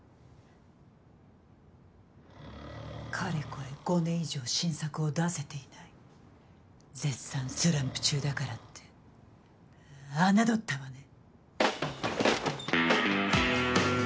かれこれ５年以上新作を出せていない絶賛スランプ中だからってあなどったわね。